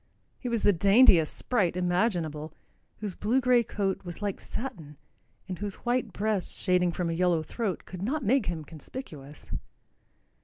He was the daintiest sprite imaginable, whose blue gray coat was like satin and whose white breast shading from a yellow throat could not make him conspicuous.